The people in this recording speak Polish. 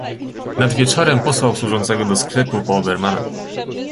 "Nad wieczorem posłał służącego do sklepu po Obermana."